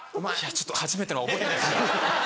ちょっと初めてのは覚えてないですけど。